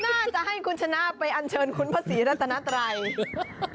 น่าจะให้คุณชนะไปอันเชิญคุณพฤษีรษณะไตร